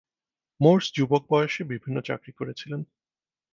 Morse যুবক বয়সে বিভিন্ন চাকরি করেছিলেন।